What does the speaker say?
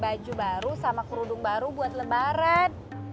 baju baru sama kerudung baru buat lebaran